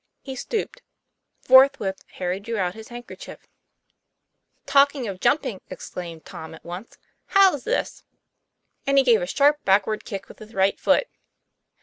He stooped. Forthwith Harry drew out his handkerchief. TOM PLAYFAIR. 55 'Talking of jumping," exclaimed Tom at once, "how's this?" and he gave a sharp backward kick with his right foot.